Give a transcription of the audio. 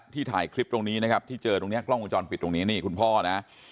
ถ่ายคลิปตรงนี้นะครับที่เจอตรงนี้กล้องวงจรปิดตรงนี้นี่คุณพ่อนะ